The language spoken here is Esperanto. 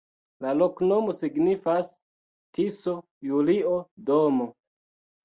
La loknomo signifas: Tiso-Julio-domo.